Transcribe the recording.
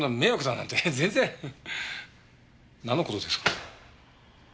なんの事ですか？